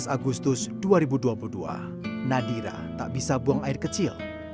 tujuh belas agustus dua ribu dua puluh dua nadira tak bisa buang air kecil